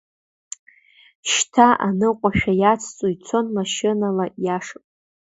Шьҭа аныҟәашәа иацҵо ицон, машьынала иаша.